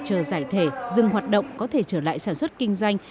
chờ giải thể dừng hoạt động có thể trở lại sản xuất kinh doanh